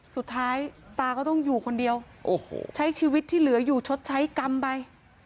สุดท้ายตาก็ต้องอยู่คนเดียวใช้ชีวิตที่เหลืออยู่ชดใช้กรรมไป